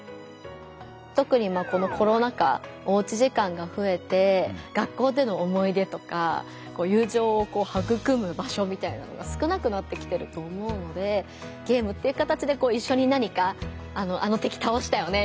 とくにこのコロナ禍おうち時間がふえて学校での思い出とか友情をはぐくむ場所みたいなのが少なくなってきてると思うのでゲームっていう形で一緒に何か「あの敵倒したよね」